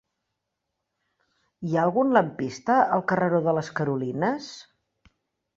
Hi ha algun lampista al carreró de les Carolines?